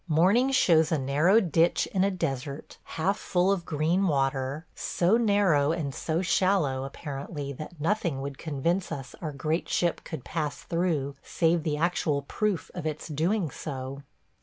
Morning shows a narrow ditch in a desert, half full of green water – so narrow and so shallow apparently that nothing would convince us our great ship could pass through save the actual proof of its doing so.